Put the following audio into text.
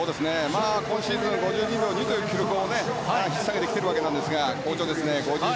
今シーズン５２秒２という記録を引っ提げてきているんですが好調ですね。